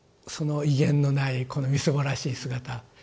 その威厳のないこのみすぼらしい姿。